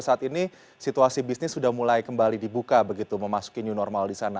saat ini situasi bisnis sudah mulai kembali dibuka begitu memasuki new normal di sana